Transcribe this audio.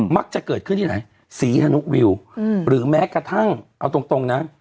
มักจะเกิดขึ้นที่ไหนศรีธนุวิวหรือแม้กระทั่งเอาตรงนะ